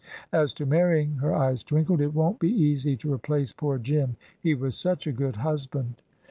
As to marrying" her eyes twinkled "it won't be easy to replace poor Jim. He was such a good husband."